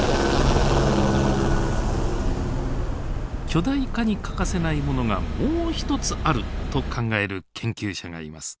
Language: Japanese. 巨大化に欠かせないものがもう一つあると考える研究者がいます。